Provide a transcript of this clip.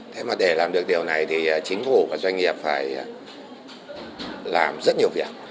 thế mà để làm được điều này thì chính phủ và doanh nghiệp phải làm rất nhiều việc